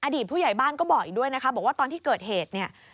ผู้ใหญ่บ้านก็บอกอีกด้วยนะคะบอกว่าตอนที่เกิดเหตุเนี่ย